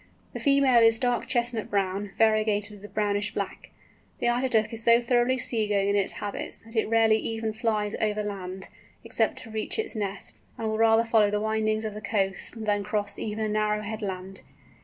The female is dark chestnut brown, variegated with brownish black. The Eider Duck is so thoroughly sea going in its habits, that it rarely even flies over the land, except to reach its nest, and will rather follow the windings of the coast than cross even a narrow headland.